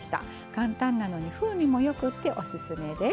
簡単なのに風味もよくてオススメです。